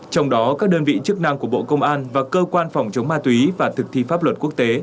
trong đó các đơn vị chức năng của bộ công an và cơ quan phòng chống ma túy và thực thi pháp luật quốc tế